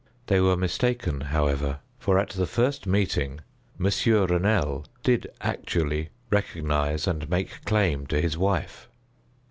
They were mistaken, however, for, at the first meeting, Monsieur Renelle did actually recognize and make claim to his wife.